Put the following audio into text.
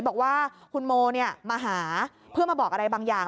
บอกว่าคุณโมมาหาเพื่อมาบอกอะไรบางอย่าง